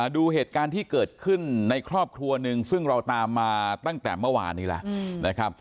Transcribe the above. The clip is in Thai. ดูเหตุการณ์ที่เกิดขึ้นในครอบครัวหนึ่งซึ่งเราตามมาตั้งแต่เมื่อวานนี้แล้วนะครับ